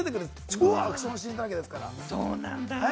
超アクションシーンだらけですから。